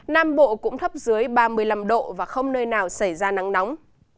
nam bộ cũng thấp dưới ba mươi năm độ và không nơi nào xảy ra nắng nóng